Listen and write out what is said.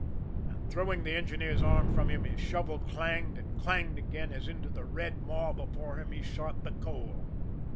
And throwing the engineer's arm from him, his shovel clanged and clanged again, as into the red maw before him he shot the coal.